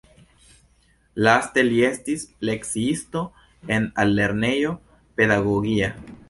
Laste li estis lekciisto en altlernejo pedagogia.